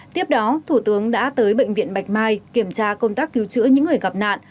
tiếp đó thủ tướng đã tới bệnh viện bạch mai kiểm tra công tác cứu chữa những người gặp nạn